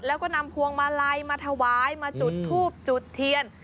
แล้วก็นำพวงมาลัยมาถวายมาจุดทูบจุดเทียน